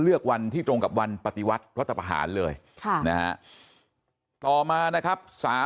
เลือกวันที่ตรงกับวันปฏิวัติวัตตาประหารเลยต่อมานะครับ๓๐